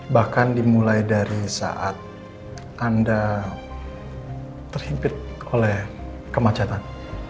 bahkan dimulai dari saat anda terhimpit oleh kemacetan